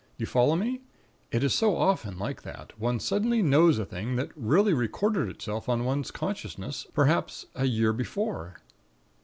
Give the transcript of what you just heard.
You follow me? It is so often like that one suddenly knows a thing that really recorded itself on one's consciousness, perhaps a year before.